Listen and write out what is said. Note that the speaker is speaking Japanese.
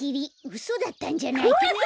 うそだったんじゃないかな。